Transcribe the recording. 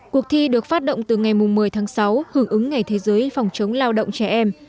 cuộc thi được phát động từ ngày một mươi tháng sáu hưởng ứng ngày thế giới phòng chống lao động trẻ em